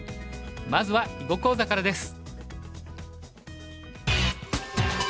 まずは囲碁講座からです。